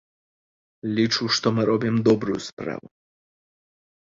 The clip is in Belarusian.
Лічу, што мы робім добрую справу.